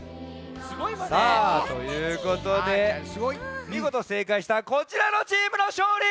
さあということでみごとせいかいしたこちらのチームのしょうり！